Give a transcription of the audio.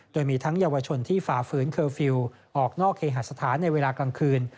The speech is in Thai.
โดยมีทั้งเยาวชนที่ฝ่าฝืนเคอร์ฟิลล์ออกนอกเคหสถานในเวลากลางคืน